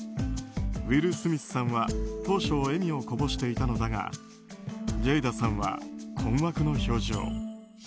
ウィル・スミスさんは当初笑みをこぼしていたのだがジェイダさんは困惑の表情。